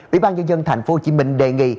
ủy ban nhân dân tp hcm đề nghị